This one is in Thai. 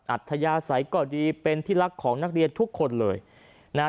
อัธยาศัยก็ดีเป็นที่รักของนักเรียนทุกคนเลยนะฮะ